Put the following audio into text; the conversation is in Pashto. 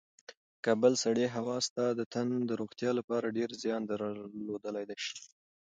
د کابل سړې هوا ستا د تن د روغتیا لپاره ډېر زیان درلودلی شي.